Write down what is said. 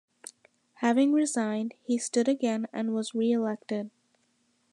Having resigned, he stood again and was re-elected.